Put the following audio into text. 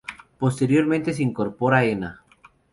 Posteriormente se incorpora Ena.